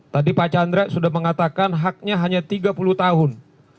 tadi pak chandra sudah mengatakan haknya hanya tiga puluh tahun